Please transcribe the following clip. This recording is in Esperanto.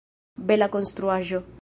Bela konstruaĵo!